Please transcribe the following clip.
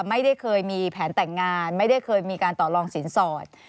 ไม่ได้เคยมีแผนแต่งงานไม่ได้เคยมีการต่อลองสินสอด